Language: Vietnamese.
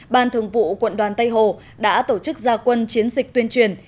ban thường vụ quận đoàn tây hồ đã tổ chức gia quân chiến dịch tuyên truyền